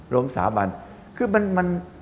ลมสามัน